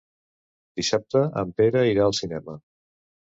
Dissabte en Pere irà al cinema.